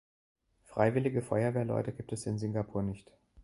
Freiwillige Feuerwehrleute gibt es in Singapur nicht.